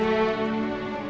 ada apa guru